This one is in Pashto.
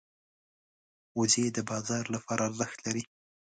وزې د بازار لپاره ارزښت لري